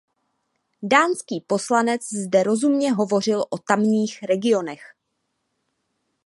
Dánský poslanec zde rozumně hovořil o tamních regionech.